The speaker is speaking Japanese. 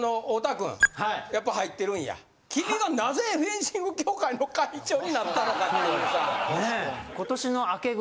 君がなぜフェンシング協会の会長になったのかっていうさ。